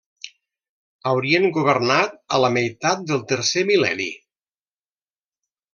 Haurien governat a la meitat del tercer mil·lenni.